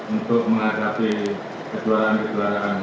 untuk menghadapi kejuaraan kejuaraan